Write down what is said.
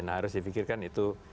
nah harus dipikirkan itu